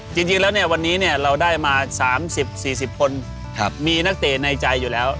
จริงแล้วเนี่ยวันนี้เราได้มา๓๐๔๐คนมีนักเตะในใจอยู่แล้ว